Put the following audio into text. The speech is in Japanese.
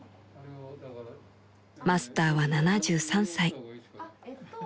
［マスターは７３歳］